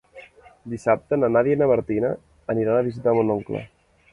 Dissabte na Nàdia i na Martina aniran a visitar mon oncle.